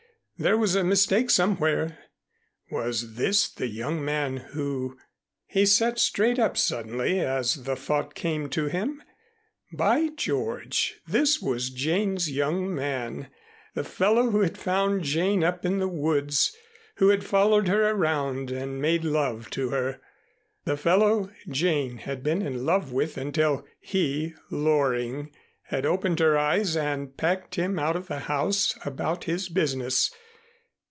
There was a mistake somewhere. Was this the young man who ? He sat straight up suddenly as the thought came to him. By George! This was Jane's young man! The fellow who had found Jane up in the woods! Who had followed her around and made love to her! The fellow Jane had been in love with until he, Loring, had opened her eyes and packed him out of the house about his business.